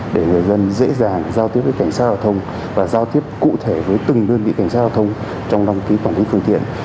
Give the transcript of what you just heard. để người dân dễ dàng giao tiếp với cảnh sát giao thông và giao tiếp cụ thể với từng đơn vị cảnh sát giao thông trong đăng ký quản lý phương tiện